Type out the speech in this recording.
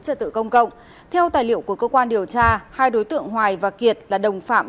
trật tự công cộng theo tài liệu của cơ quan điều tra hai đối tượng hoài và kiệt là đồng phạm